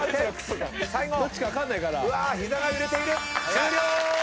終了！